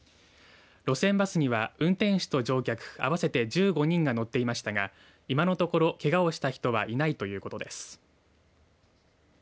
路線バスには運転手と乗客合わせて１５人が乗っていましたが今のところ、けがをした人はいないということです。